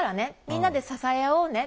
みんなで支え合おうね。